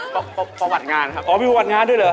ก็ประวัติงานครับอ๋อมีประวัติงานด้วยเหรอ